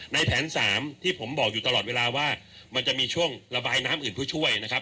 ในแผนสามที่ผมบอกอยู่ตลอดเวลาว่ามันจะมีช่วงระบายน้ำอื่นเพื่อช่วยนะครับ